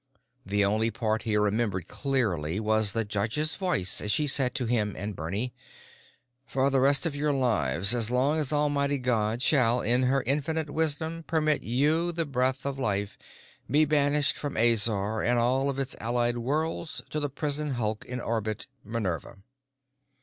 The only part he remembered clearly was the judge's voice as she said to him and Bernie, "——for the rest of your lives, as long as Almighty God shall, in Her infinite wisdom, permit you the breath of life, be banished from Azor and all of its allied worlds to the prison hulk in 'Orbit Minerva.